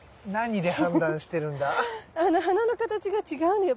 花の形が違うのよ。